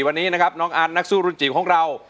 วันนี้นะครับน้องอันนักสู้รุ่นจิ๋วของเรา